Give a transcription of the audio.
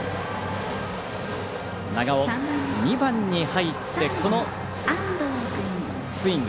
長尾、２番に入ってこのスイング。